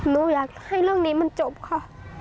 หนูอยากให้เรื่องนี้มันจบค่ะ